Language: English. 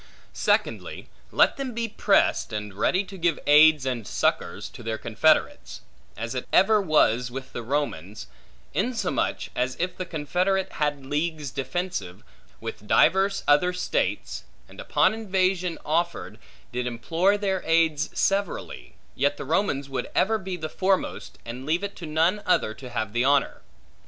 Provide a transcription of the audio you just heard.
Secondly, let them be prest, and ready to give aids and succors, to their confederates; as it ever was with the Romans; insomuch, as if the confederate had leagues defensive, with divers other states, and, upon invasion offered, did implore their aids severally, yet the Romans would ever be the foremost, and leave it to none other to have the honor.